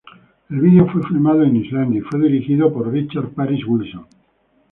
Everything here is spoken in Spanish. El video fue filmado en Islandia y fue dirigido por Richard Paris Wilson.